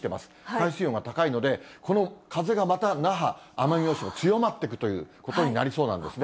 海水温が高いので、この風がまた、那覇、奄美大島、強まっていくということになりそうなんですね。